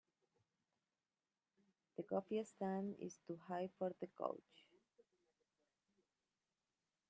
The coffee stand is too high for the couch.